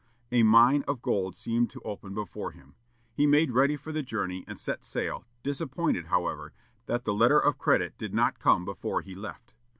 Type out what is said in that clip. A mine of gold seemed to open before him. He made ready for the journey, and set sail, disappointed, however, that the letter of credit did not come before he left.